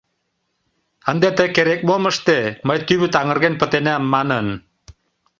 — Ынде тый керек-мом ыште, мый тӱвыт аҥырген пытенам, — манын.